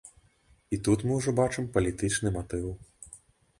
І тут мы ўжо бачым палітычны матыў.